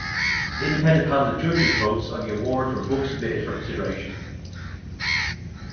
An independent panel of judges votes on the award from books submitted for consideration.